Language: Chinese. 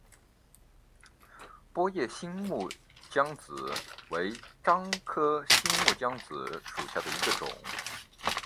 波叶新木姜子为樟科新木姜子属下的一个种。